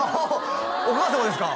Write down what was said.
お母様ですか？